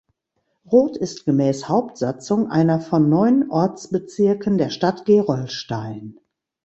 Roth ist gemäß Hauptsatzung einer von neun Ortsbezirken der Stadt Gerolstein.